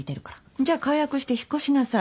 じゃあ解約して引っ越しなさい。